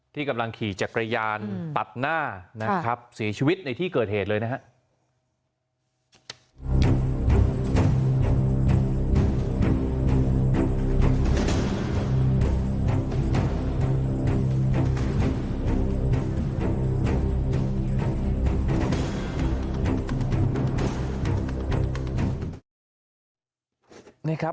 กำลังขี่จักรยานตัดหน้านะครับเสียชีวิตในที่เกิดเหตุเลยนะครับ